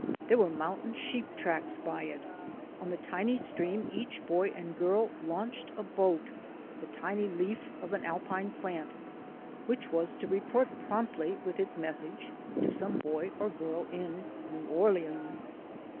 There were mountain sheep tracks by it. On the tiny stream each boy and girl launched a boat — the tiny leaf of an alpine plant — which was to report promptly, with its message, to some boy or girl in New Orleans.